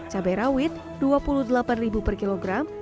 cabai rawit rp dua puluh delapan per kilogram